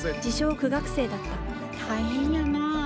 苦学生だった大変やなあ。